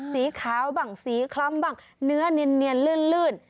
สีขาวบ้างสีคล้ำบ้างเนื้อเนียนลื่น